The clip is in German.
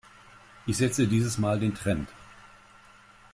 Ich setze dieses Mal den Trend.